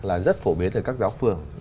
là rất phổ biến ở các giáo phường